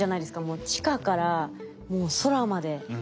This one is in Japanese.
もう地下からもう空まで。